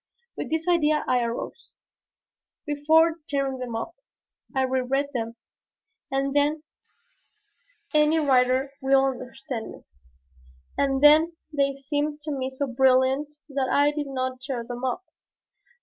With this idea I arose. Before tearing them up, I reread them. And then any writer will understand me and then they seemed to me so brilliant that I did not tear them up.